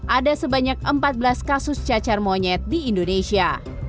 ada sebanyak empat belas kasus cacar monyet di indonesia